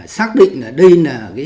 xác định đây là